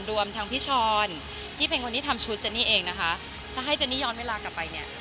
รวมทั้งพี่ช้อนที่เป็นคนที่ทำชุดเจนี่เองนะคะถ้าให้เจนนี่ย้อนเวลากลับไปเนี่ย